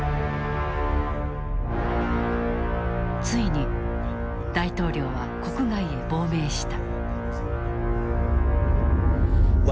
ついに大統領は国外へ亡命した。